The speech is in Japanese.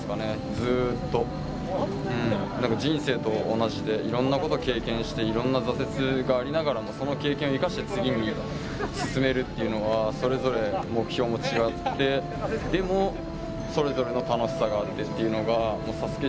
ずーっとうん何か人生と同じで色んなこと経験して色んな挫折がありながらもその経験を生かして次に進めるっていうのはそれぞれ目標も違ってでもそれぞれの楽しさがあってっていうのがＳＡＳＵＫＥ